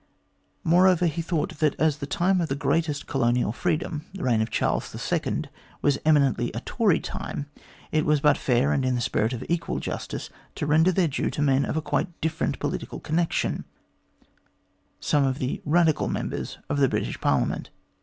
Moreover, he thought that as the time of the greatest colonial freedom the reign of Charles the Second was eminently a Tory time, it was but fair, and in the spirit of equal justice, to render their due to men of quite a different political connection some of the Radical Members of the British Parliament.